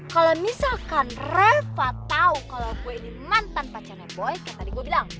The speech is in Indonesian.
kalau misalkan reva tau kalau gue ini mantan pacarnya boy kayak tadi gue bilang